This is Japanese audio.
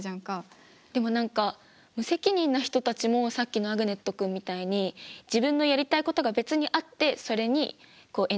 でも何か無責任な人たちもさっきのアグネット君みたいに自分のやりたいことが別にあってそれにこうエネルギーを。